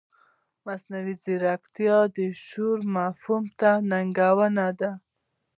مصنوعي ځیرکتیا د شعور مفهوم ته ننګونه ده.